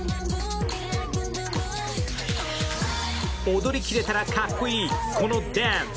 踊り切れたらかっこいいこのダンス。